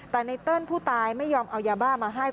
แต่ไนเติ้ลผู้ตายไม่ยอมเอายาบ้ามาให้